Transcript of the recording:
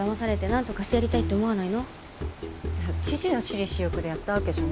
なんとかしてやりたいって思わない？